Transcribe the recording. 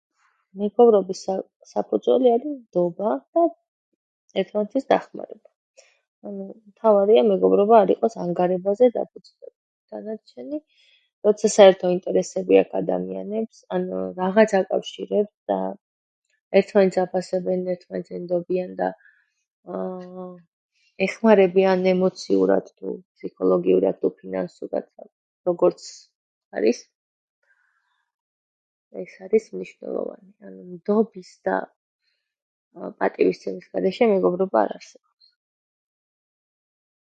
მეგობრობის საფუძველი არის ნდობა და ერთმანეთის დახმარება. მთავარია ,მეგობრობა არ იყოს ანგარებაზე დაფუძნებული. დანარჩენი როცა საერთო ინტერესები აქვთ ადამიანებს. ანუ რაღაც აკავშირებთ, ერთმანეთს აფასებენ, ერთმანეთს ენდობიან და ეხმარებიან ემოციურად თუ ფსიქოლოგიურად თუ ფინანსურად, როგორც არის ეს არის მნიშვნელოვანი. ნდობის და პატივისცემის გარეშე მეგობრობა არ არსებობს.